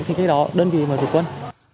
thì cái đó đơn vị mới vượt quân